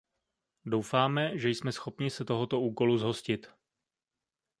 Doufáme, že jsme schopni se tohoto úkolu zhostit.